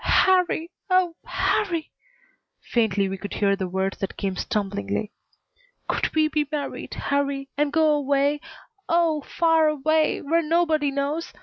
"Harrie oh, Harrie!" Faintly we could hear the words that came stumblingly. "Could we be married, Harrie, and go away, oh, far away, where nobody knows?